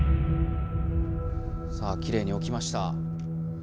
さあきれいにおきました。